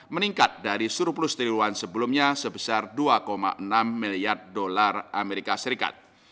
meningkat dari surplus triwan sebelumnya sebesar usd dua enam miliar